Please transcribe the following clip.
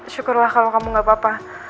syukurlah kalau kamu gak apa apa